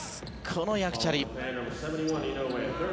このヤクチャリ。